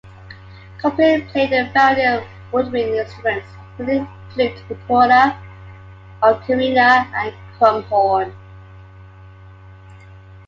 Copley played a variety of woodwind instruments, including flute, recorder, ocarina, and crumhorn.